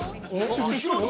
後ろに。